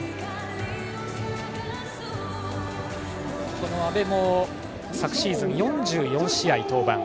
この阿部も昨シーズン４４試合登板。